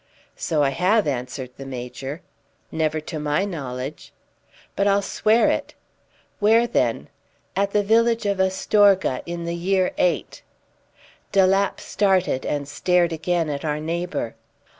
"So I have," answered the Major. "Never to my knowledge." "But I'll swear it!" "Where then?" "At the village of Astorga, in the year '8." De Lapp started, and stared again at our neighbour.